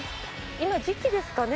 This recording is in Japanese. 今時期ですかね？